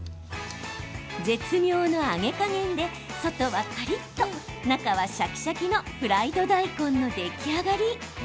絶妙の揚げ加減で、外はカリっと中はシャキシャキのフライド大根の出来上がり。